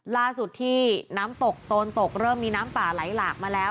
ล่าสุดที่น้ำตกโตนตกเริ่มมีน้ำป่าไหลหลากมาแล้ว